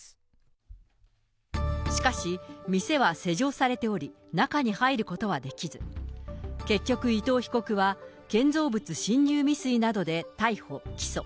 しかし、店は施錠されており、中に入ることはできず、結局伊藤被告は、建造物侵入未遂などで逮捕・起訴。